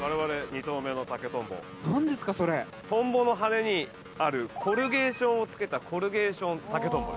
トンボの羽にあるコルゲーションをつけたコルゲーション竹とんぼ。